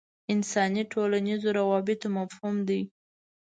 انساني ټولنیزو روابطو مفهوم دی.